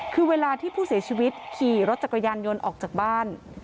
คือเวลาที่ผู้เสียชีวิตขี่รถจักรยานยนต์ออกจากบ้าน